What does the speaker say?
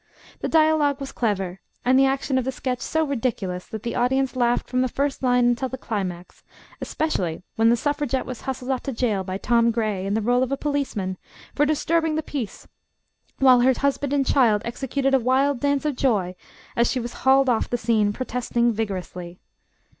The dialogue was clever, and the action of the sketch so ridiculous that the audience laughed from the first line until the climax, especially when the suffragette was hustled off to jail by Tom Gray, in the rôle of a policeman, for disturbing the peace, while her husband and child executed a wild dance of joy as she was hauled off the scene, protesting vigorously.